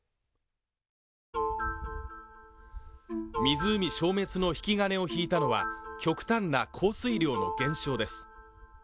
湖消滅の引き金を引いたのは極端な降水量の減少です